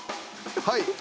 はい。